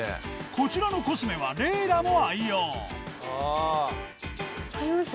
こちらのコスメはレイラも愛用分かります？